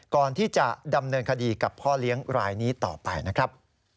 ก่อนที่จะดำเนินคดีกับพ่อเลี้ยงรายนี้ต่อไปนะครับ